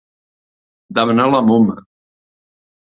Demanar la moma.